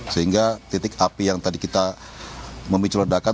sehingga titik api yang tadi kita memiculodakan